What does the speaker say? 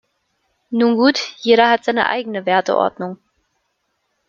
Nun gut, jeder hat seine eigene Werteordnung.